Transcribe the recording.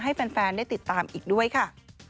ให้แฟนได้ติดตามอีกด้วยค่ะ